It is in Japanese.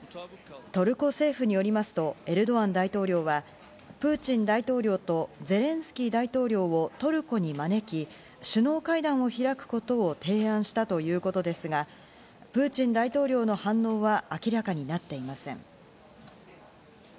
トルコ政府によりますとエルドアン大統領はプーチン大統領とゼレンスキー大統領をトルコに招き、首脳会談を開くことを提案したということですが、プーチン大統領の反応は明らかになっていません。